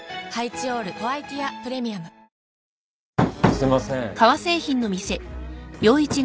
すいません。